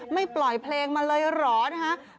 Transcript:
ไม่ปล่อยเพลงมาเลยเหรอนะคะ